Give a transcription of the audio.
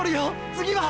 次は！